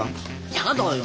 やだよ。